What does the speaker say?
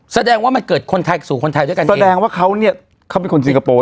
แสดงว่ามันเกิดคนไทยสู่คนไทยด้วยกันแสดงว่าเขาเนี่ยเขาเป็นคนสิงคโปร์